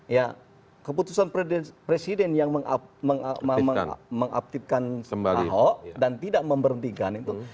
ya keputusan presiden yang mengaktifkan ahok dan tidak memberhentikan itu